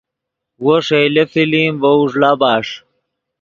وو ݰئیلے فلم ڤؤ اوݱڑا بݰ